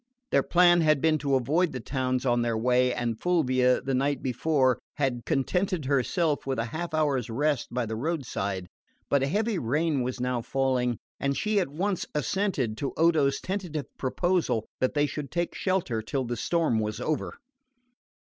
Their plan had been to avoid the towns on their way, and Fulvia, the night before, had contented herself with a half hour's rest by the roadside; but a heavy rain was now falling, and she at once assented to Odo's tentative proposal that they should take shelter till the storm was over.